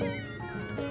terima kasih pak